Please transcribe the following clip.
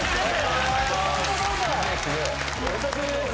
・お久しぶりです